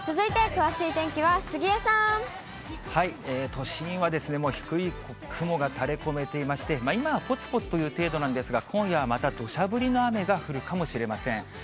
都心はですね、もう低い雲が垂れこめていまして、今はぽつぽつという程度なんですが、今夜はまたどしゃ降りの雨が降るかもしれません。